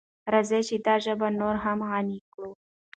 راځئ چې دا ژبه نوره هم غني کړو.